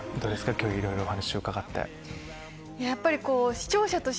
今日いろいろお話伺って。